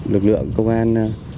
lực lượng công an